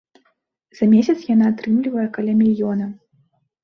За месяц яна атрымлівае каля мільёна.